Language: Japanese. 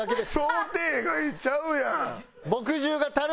想定外ちゃうやん！